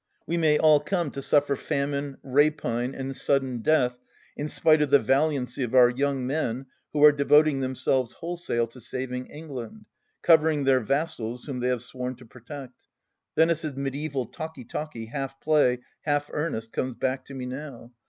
We may all come to suffer famine, rapine, and sudden death in spite of the valiancy of our young men who are devoting themselves wholesale to saving England — covering their vassals, whom they have sworn to protect. ... Venice's mediaeval talky talky, half play, half earnest, comes back to me now.